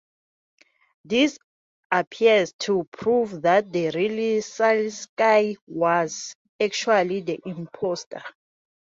This appears to prove that the real Siletsky was actually the imposter.